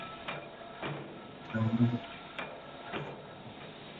Katika kuleta amani ana kipaji cha pekee.